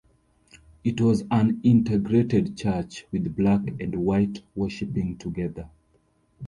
It was an integrated church with black and white worshiping together.